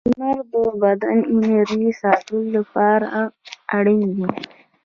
• لمر د بدن د انرژۍ ساتلو لپاره اړین دی.